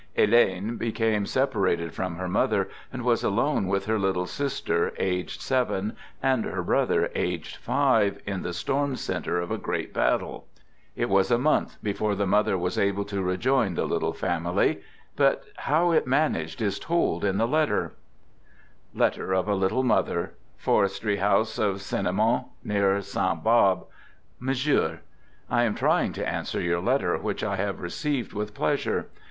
Helene became separated from her mother, and was alone with her little sis ter, aged seven, and her brother, aged five, in the storm center of a great battle. It was a month before the mother was able to rejoin the little fam ily. But how it " managed " is told in the letter: {Letter of a Little Mother) Forestry House of Cenimont near Sainte Barbe. Monsieur: I am hurrying to answer your letter which I have received with pleasure.